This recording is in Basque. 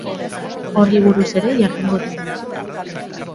Horri buruz ere jardungo dugu.